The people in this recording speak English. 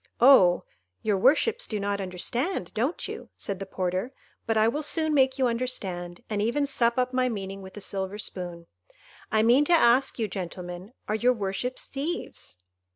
"Oh, your worships do not understand, don't you?" said the porter; "but I will soon make you understand, and even sup up my meaning with a silver spoon. I mean to ask you, gentlemen, are your worships thieves?